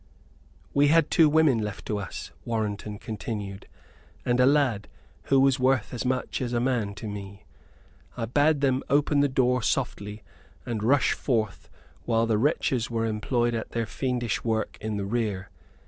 "We had two women left to us," Warrenton continued, "and a lad, who was worth as much as a man to me. I bade them open the door softly, and rush forth whilst the wretches were employed at their fiendish work in the rear.